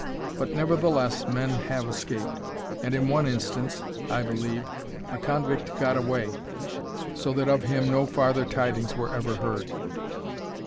But, nevertheless, men have escaped; and in one instance, I believe, a convict got away, so that of him no farther tidings were ever heard.